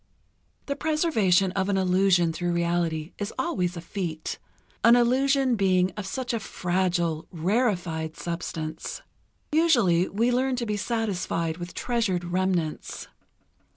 The preservation of an illusion through reality is always a feat, an illusion being of such a fragile, rarefied substance. Usually we learn to be satisfied with treasured remnants.